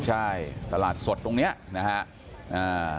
ใช่ตลาดสดตรงนี้นะฮะ